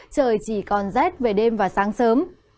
trời chỉ còn rét về đêm và sáng sớm